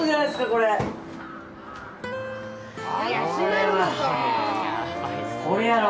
これやろ。